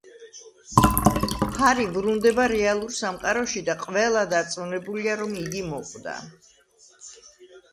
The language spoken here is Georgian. ჰარი ბრუნდება რეალურ სამყაროში და ყველა დარწმუნებულია, რომ იგი მოკვდა.